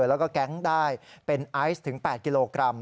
แล้วก็แก๊งได้เป็นไอซ์ถึง๘กิโลกรัม